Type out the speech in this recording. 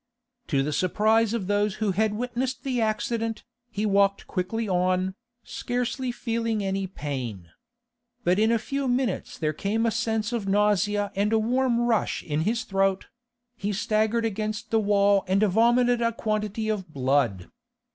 To the surprise of those who had witnessed the accident, he walked quickly on, scarcely feeling any pain. But in a few minutes there came a sense of nausea and a warm rush in his throat; he staggered against the wall and vomited a quantity of blood.